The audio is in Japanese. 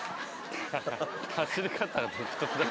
走り方が独特だな。